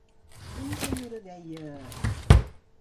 Una senyora deia…